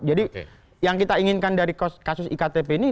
jadi yang kita inginkan dari kasus iktp ini